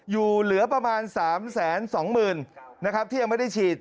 อยู่เหลือประมาณ๓แสน๒หมื่นนะครับที่ยังไม่ได้ฉีด